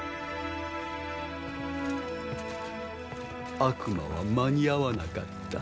悪魔は間に合わなかった。